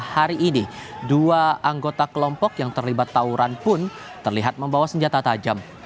hari ini dua anggota kelompok yang terlibat tawuran pun terlihat membawa senjata tajam